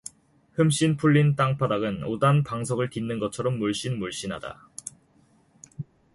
흠씬 풀린 땅바닥은 우단 방석을 딛는 것처럼 물씬물씬하다.